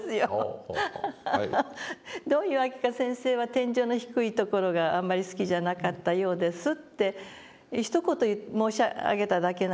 「どういうわけか先生は天井の低いところがあんまり好きじゃなかったようです」ってひと言申し上げただけなんですけれどもね。